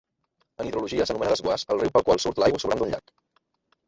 En hidrologia s'anomena desguàs al riu pel qual surt l'aigua sobrant d'un llac.